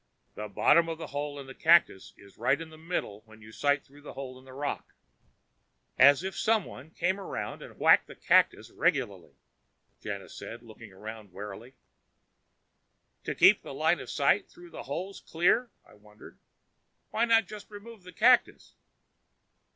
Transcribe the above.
"The bottom of the hole in the cactus is right in the middle when you sight through the hole in the rock." "As if somebody came around and whacked the cactus regularly," Janus said, looking around warily. "To keep the line of sight through the holes clear?" I wondered. "Why not just remove the cactus?"